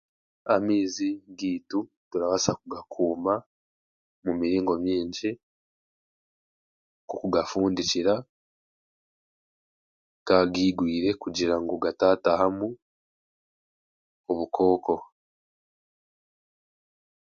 Amaizi gaitu turabaasa kugakuuma omu miringo mingi, nk'okugafundikira gaagaigwire kugira ngu gataataahu obukooko.